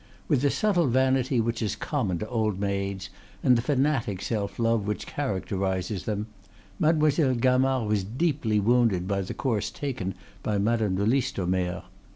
With the subtle vanity which is common to old maids, and the fanatic self love which characterizes them, Mademoiselle Gamard was deeply wounded by the course taken by Madame de Listomere.